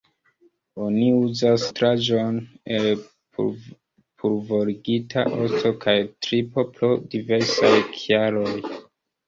Oni uzas nutraĵon el pulvorigita osto kaj tripo pro diversaj kialoj.